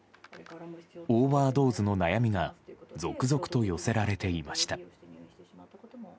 オーバードーズの悩みが続々と寄せられていました。